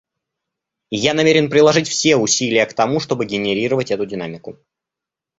И я намерен приложить все свои усилия к тому, чтобы генерировать эту динамику.